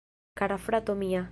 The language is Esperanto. Kara frato mia..